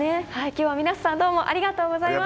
今日は皆さんどうもありがとうございました。